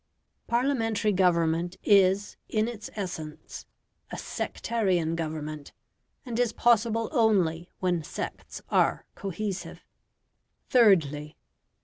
Parliamentary government is, in its essence, a sectarian government, and is possible only when sects are cohesive. Thirdly.